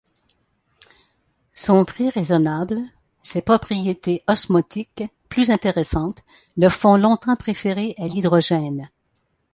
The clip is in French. Son prix raisonnable, ses propriétés osmotiques plus intéressantes le font longtemps préférer à l'hydrogène.